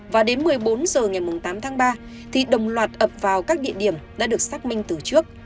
và đến một mươi bốn h ngày tám tháng ba thì đồng loạt ập vào các địa điểm đã được xác minh từ trước